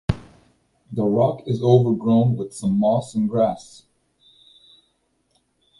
The rock is overgrown with some moss and grass.